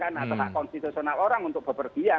atau hak konstitusional orang untuk bepergian